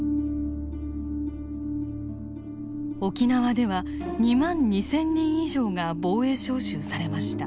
沖縄では２万２，０００人以上が防衛召集されました。